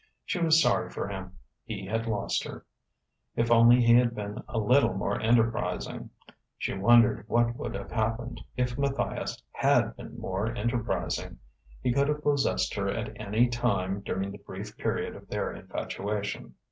She was sorry for him: he had lost her. If only he had been a little more enterprising.... She wondered what would have happened if Matthias had been more enterprising; he could have possessed her at any time during the brief period of their infatuation.